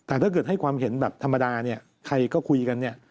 แต่ถ้าเกิดให้ความเห็นแบบธรรมดาใครก็คุยกัน